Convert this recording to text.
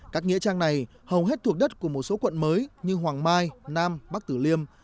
các nghĩa trang này hầu hết thuộc đất của một số quận mới như hoàng mai nam bắc tử liêm